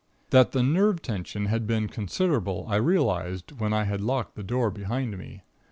"That the nerve tension had been considerable, I realized, when I had locked the door behind me.